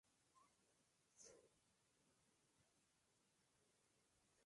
Nació en Wotton-under-Edge, en el condado de Gloucestershire.